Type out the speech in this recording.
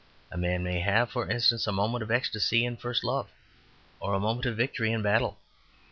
A man may have, for instance, a moment of ecstasy in first love, or a moment of victory in battle.